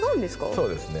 そうですね。